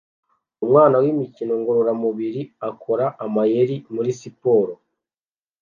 Umwana w'imikino ngororamubiri akora amayeri muri siporo